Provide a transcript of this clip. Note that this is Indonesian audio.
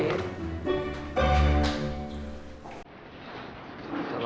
kita mau nguas suapin ya